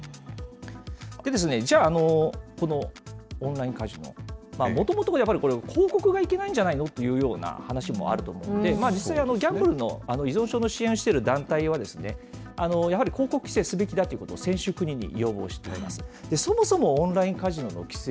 でですね、じゃあ、このオンラインカジノ、もともとやっぱり、広告がいけないんじゃないのという話もあると思うので、実際、ギャンブルの依存症の支援をしている団体は、やはり広告規制すべきだということを先週、国に。